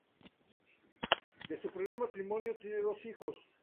De su primer matrimonio tiene dos hijos.